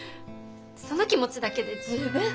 その気持ちだけで十分。